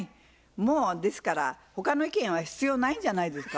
もうですから他の意見は必要ないんじゃないですか？